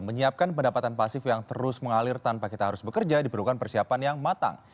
menyiapkan pendapatan pasif yang terus mengalir tanpa kita harus bekerja diperlukan persiapan yang matang